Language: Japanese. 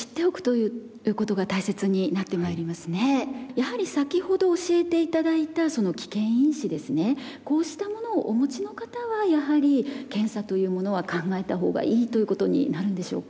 やはり先ほど教えて頂いたその危険因子ですねこうしたものをお持ちの方はやはり検査というものは考えたほうがいいということになるんでしょうか？